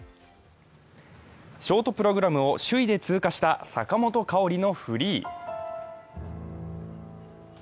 ショートプログラムを首位で通過した坂本花織のフリー。